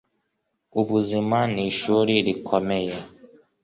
ubuzima nishuli rikomeye